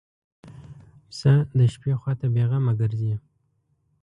پسه د شپې خوا ته بېغمه ګرځي.